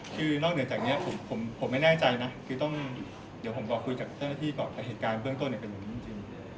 คือนอกเหนือจากนี้ผมไม่แน่ใจนะคือต้องเดี๋ยวผมบอกคุยกับเจ้าหน้าที่ก่อนแต่เหตุการณ์เบื้องต้นเป็นอย่างนี้จริง